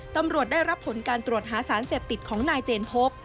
ตำรวจได้รับผลการตรวจหาสารเสพติดของนายเจนพบ